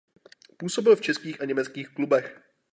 Působil v českých a německých klubech.